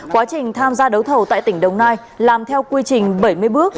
quá trình tham gia đấu thầu tại tỉnh đồng nai làm theo quy trình bảy mươi bước